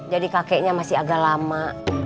jadi kakeknya masih agak lama